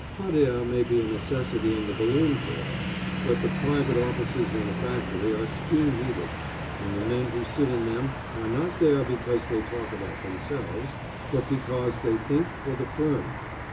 Hot air may be a necessity in the Balloon corps, but the private offices in the factory are steam heated, and the men who sit in them are not there because they talk about themselves, but because they think for the firm.